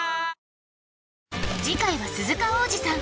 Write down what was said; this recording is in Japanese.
次回は鈴鹿央士さん